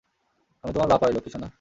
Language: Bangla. আমি তোমার বাপ হয়, লক্ষী সোনা।